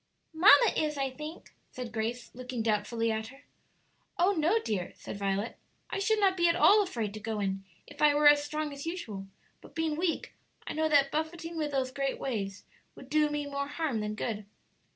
"Mamma is, I think," said Grace, looking doubtfully at her. "Oh no, dear," said Violet; "I should not be at all afraid to go in if I were as strong as usual; but being weak, I know that buffeting with those great waves would do me more harm than good."